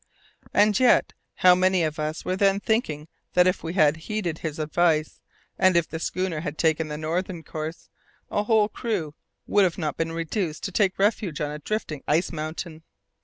And yet, how many of us were then thinking that if we had heeded his advice, and if the schooner had taken the northern course, a whole crew would not have been reduced to take refuge on a drifting ice mountain!